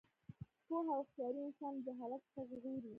پوهه او هوښیاري انسان له جهالت څخه ژغوري.